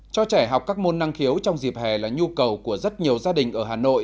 cho trẻ học các môn năng khiếu trong dịp hè là nhu cầu của rất nhiều gia đình ở hà nội